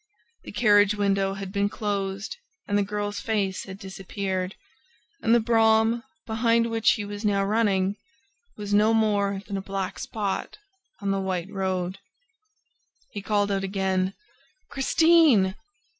The carriage window had been closed and the girl's face had disappeared. And the brougham, behind which he was now running, was no more than a black spot on the white road. He called out again: "Christine!"